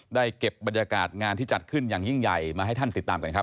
เก็บบรรยากาศงานที่จัดขึ้นอย่างยิ่งใหญ่มาให้ท่านติดตามกันครับ